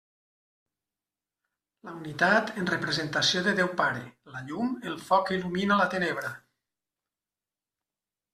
La unitat en representació de Déu Pare: la llum, el foc que il·lumina la tenebra.